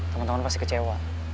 temen temen pasti kecewa